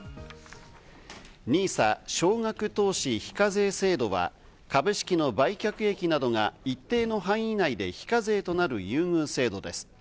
ＮＩＳＡ＝少額投資非課税制度は株式の売却益などが一定の範囲内で非課税となる優遇制度です。